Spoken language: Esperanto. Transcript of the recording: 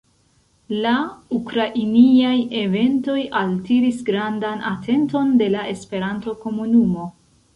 La ukrainiaj eventoj altiris grandan atenton de la Esperanto-komunumo.